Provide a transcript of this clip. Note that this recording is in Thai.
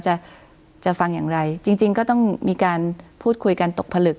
จะจะฟังอย่างไรจริงจริงก็ต้องมีการพูดคุยกันตกผลึก